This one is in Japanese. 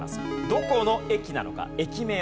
どこの駅なのか。